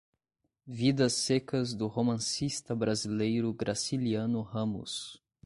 Vidas Secas, do romancista brasileiro Graciliano Ramos